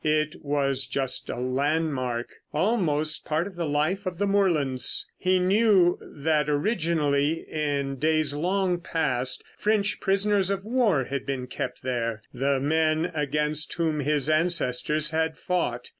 It was just a landmark, almost part of the life of the moorlands. He knew that originally, in the days long past, French prisoners of war had been kept there, the men against whom his ancestors had fought.